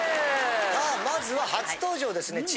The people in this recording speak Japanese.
さあまずは初登場ですね。